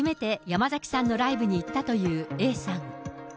今回初めて山崎さんのライブに行ったというＡさん。